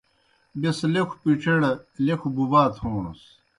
بیْس لیکھوْ پِڇِیڑ لیکھوْ بُبَا تھوݨَس۔